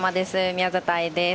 宮里藍です。